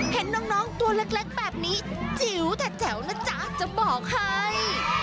เห็นน้องตัวเล็กแบบนี้จิ๋วแต่แจ๋วนะจ๊ะจะบอกให้